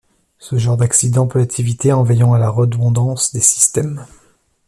Ce genre d'accident peut être évité en veillant à la redondance des systèmes.